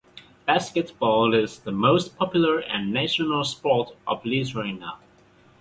Basketball is the most popular and national sport of Lithuania.